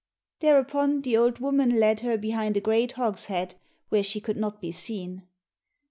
Thereupon the old woman led her behind a great hogshead where she could not be seen.